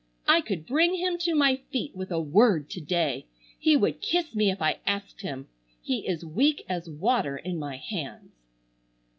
I could bring him to my feet with a word to day. He would kiss me if I asked him. He is weak as water in my hands."